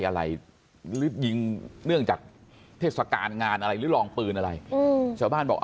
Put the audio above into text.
อะไรหรือยิงเนื่องจากเทศกาลงานอะไรหรือลองปืนอะไรชาวบ้านบอก